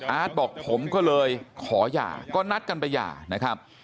อาร์ทบอกผมก็เลยขอหย่าก็นัดกันไปหย่า